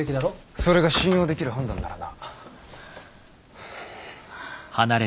それが信用できる判断ならな。